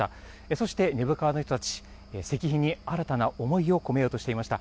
そして、根府川の人たち、石碑に新たな思いを込めようとしていました。